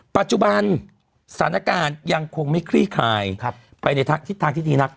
ปัจจุบันสถานการณ์ยังคงไม่คลี่คลายไปในทิศทางที่ดีนัก